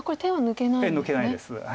これ手は抜けないんですね。